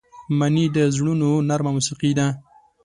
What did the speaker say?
مني د زړونو نرمه موسيقي ده